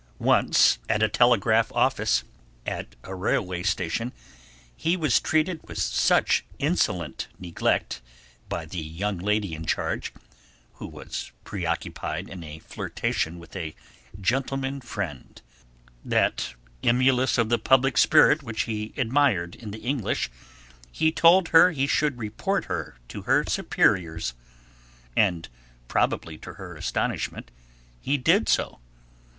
Once in a telegraph office at a railway station he was treated with such insolent neglect by the young lady in charge, who was preoccupied in a flirtation with a "gentleman friend," that emulous of the public spirit which he admired in the English, he told her he should report her to her superiors, and (probably to her astonishment) he did so.